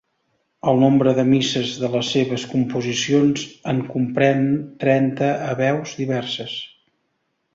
El nombre de misses de les seves composicions en comprèn trenta a veus diverses.